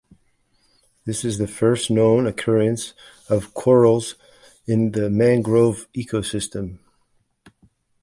This is the first known occurrence of corals in a mangrove ecosystem.